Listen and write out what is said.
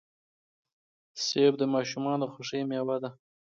رس د ماشومانو د خوښۍ میوه ده